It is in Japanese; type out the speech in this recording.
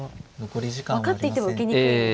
これは。分かっていても受けにくいんですね。